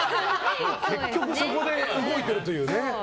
結局、そこで動いているというね。